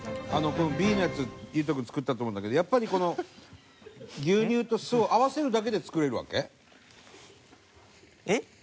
このＢのやつ優惟人君作ったと思うんだけどやっぱりこの牛乳と酢を合わせるだけで作れるわけ？